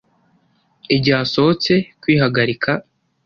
Igihe asohotse kwihagarika,